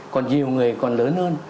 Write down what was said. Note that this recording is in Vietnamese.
còn nhiều người còn lớn hơn